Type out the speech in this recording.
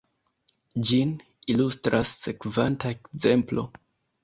Ĝin ilustras sekvanta ekzemplo.